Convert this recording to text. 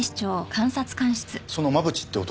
その真渕って男